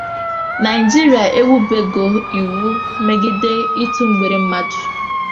Nigeria ewubego iwu megide itu mgbere mmadu